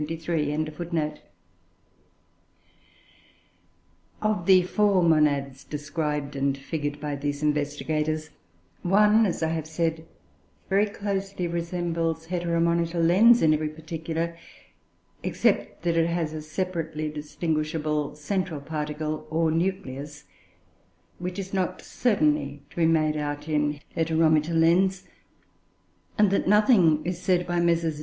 ] Of the four monads described and figured by these investigators, one, as I have said, very closely resembles Heteromita lens in every particular, except that it has a separately distinguishable central particle or "nucleus," which is not certainly to be made out in Heteromita lens; and that nothing is said by Messrs.